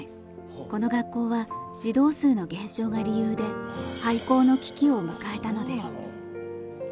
この学校は児童数の減少が理由で廃校の危機を迎えたのです。